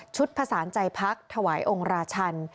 ผสานใจพักถวายองค์ราชัน